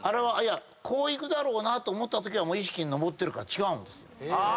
こういくだろうと思ったときはもう意識に上ってるから違うんです。